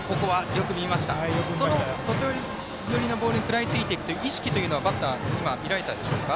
外寄りのボールに食らいついていく意識というのはバッター見られたでしょうか。